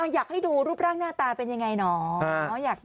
อยากให้ดูรูปร่างหน้าตาเป็นยังไงหนอ